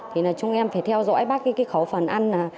thì là chúng em phải theo dõi bác cái khẩu phần ăn